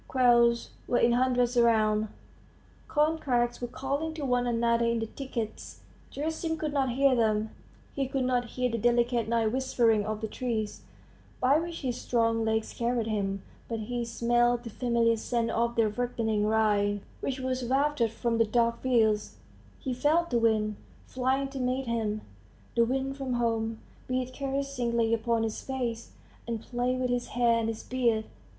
Quails were in hundreds around; corncrakes were calling to one another in the thickets. ... Gerasim could not hear them; he could not hear the delicate night whispering of the trees, by which his strong legs carried him, but he smelt the familiar scent of the ripening rye, which was wafted from the dark fields; he felt the wind, flying to meet him the wind from home beat caressingly upon his face, and play with his hair and his beard.